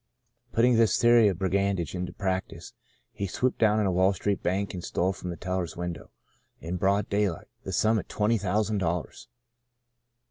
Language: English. '' Putting this theory of brigandage into prac tice, he swooped down on a Wall Street bank and stole from the teller's window, in broad daylight, the sum of twenty thousand dollars.